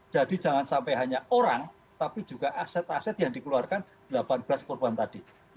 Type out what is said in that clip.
jadi jangan sampai hanya orang tapi juga aset aset yang dikeluarkan delapan belas korban tadi